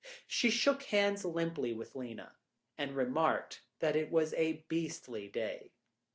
She shook hands limply with Lena, and remarked that it was a beastly day.